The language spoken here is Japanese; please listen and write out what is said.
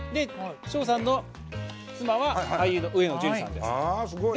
唱さんの妻は俳優の上野樹里さんです。